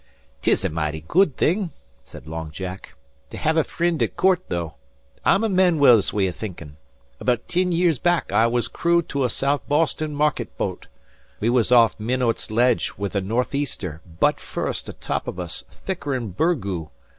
"'Tis a mighty good thing," said Long Jack, "to have a frind at coort, though. I'm o' Manuel's way o' thinkin'. About tin years back I was crew to a Sou' Boston market boat. We was off Minot's Ledge wid a northeaster, butt first, atop of us, thicker'n burgoo.